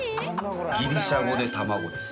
ギリシャ語で「たまご」です。